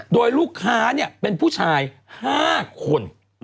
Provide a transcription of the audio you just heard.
โดยลูกค้าเป็นผู้ชาย๕คน